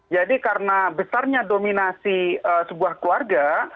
jadi karena besarnya dominasi sebuah keluarga